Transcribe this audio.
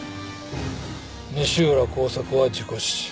西浦幸作は事故死。